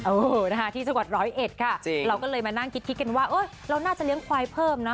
อู๋ที่ชะวัด๑๐๑ค่ะเราก็เลยมานั่งคิดกันว่าเราน่าจะเลี้ยงขวายเพิ่มนะ